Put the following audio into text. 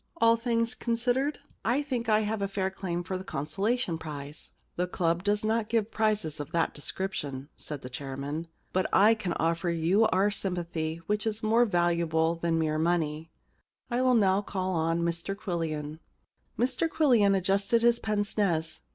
* All things considered, I think I have a fair claim for a consolation prize.' * The club does not give prizes of that description,' said the chairman. * But I can offer you our sympathy, which is more valuable than mere money, I will now call upon Mr Quillian.' Mr Quillian adjusted his pince nez.